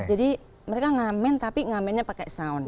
jadi mereka ngamen tapi ngamennya pakai sound